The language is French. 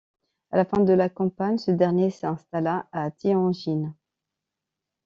À la fin de la campagne, ce dernier s'installa à Tianjin.